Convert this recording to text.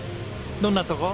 どんなとこ？